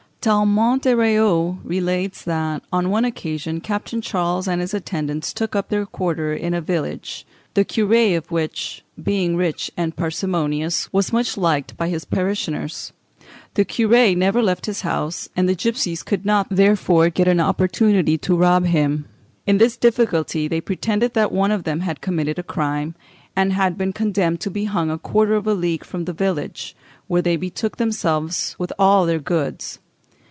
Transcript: Tallemant des Réaux relates that, on one occasion, Captain Charles and his attendants took up their quarters in a village, the curé of which being rich and parsimonious, was much disliked by his parishioners. The curé never left his house, and the gipsies could not, therefore, get an opportunity to rob him. In this difficulty, they pretended that one of them had committed a crime, and had been condemned to be hung a quarter of a league from the village, where they betook themselves with all their goods.